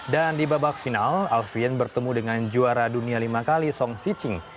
dan di babak final alvian bertemu dengan juara dunia lima kali chong chi sing